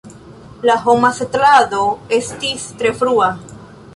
La homa setlado estis tre frua.